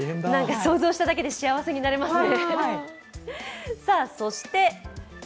想像しただけで幸せになれますね。